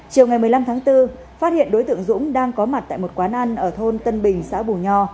chiều ngày một mươi năm tháng bốn phát hiện đối tượng dũng đang có mặt tại một quán ăn ở thôn tân bình xã bù nho